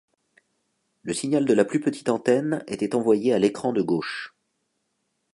Le signal de la plus petite antenne était envoyé à l’écran de gauche.